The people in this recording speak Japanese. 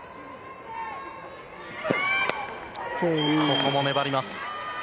ここも粘ります。